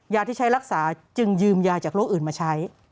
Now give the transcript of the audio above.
ที่ใช้รักษาจึงยืมยาจากโรคอื่นมาใช้